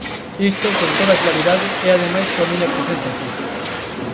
Isto con toda claridade e ademais coa miña presenza aquí.